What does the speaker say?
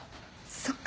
そっか。